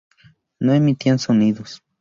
No emitían sonidos.